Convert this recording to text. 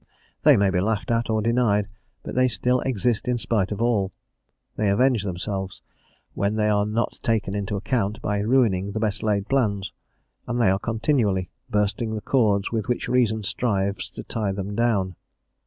They may be laughed at or denied, but they still exist in spite of all; they avenge themselves, when they are not taken into account, by ruining the best laid plans, and they are continually bursting the cords with which reason strives to tie them down.